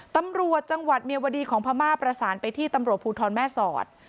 ตำรวจจังหวัดเมียวดีของพม่าประสานไปที่ตำรวจภูทรแม่สอด